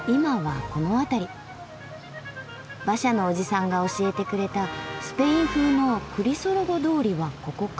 馬車のおじさんが教えてくれたスペイン風のクリソロゴ通りはここか。